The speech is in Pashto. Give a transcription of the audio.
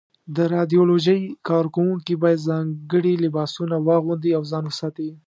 د رادیالوجۍ کارکوونکي باید ځانګړي لباسونه واغوندي او ځان وساتي.